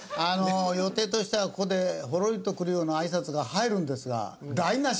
予定としてはここでほろりとくるようなあいさつが入るんですが台無し。